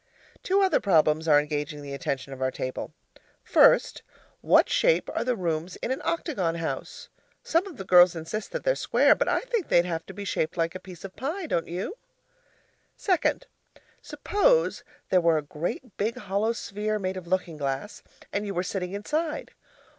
Two other problems are engaging the attention of our table. 1st. What shape are the rooms in an octagon house? Some of the girls insist that they're square; but I think they'd have to be shaped like a piece of pie. Don't you? 2nd. Suppose there were a great big hollow sphere made of looking glass and you were sitting inside.